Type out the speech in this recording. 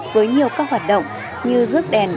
với nhiều các hoạt động như rước đèn